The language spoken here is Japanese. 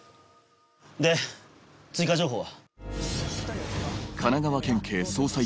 で追加情報は？